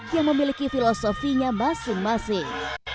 yang memiliki filosofinya masing masing